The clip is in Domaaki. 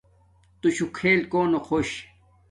تُشُݸ کھݵل کݸنݵ خݸش؟